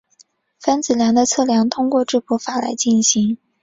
分子量的测量通过质谱法来进行。